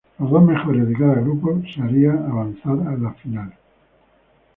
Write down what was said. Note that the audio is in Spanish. Los dos mejores de cada grupo se haría avanzar a la final.